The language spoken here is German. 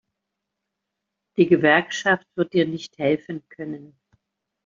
Die Gewerkschaft wird dir nicht helfen können.